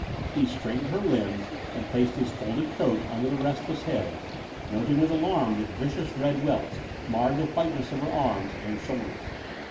He straightened her limbs and placed his folded coat under the restless head, noting with alarm that vicious red welts marred the whiteness of her arms and shoulders.